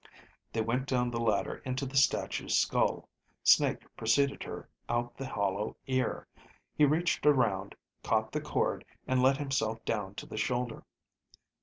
They went down the ladder into the statue's skull. Snake preceded her out the hollow ear. He reached around, caught the cord, and let himself down to the shoulder.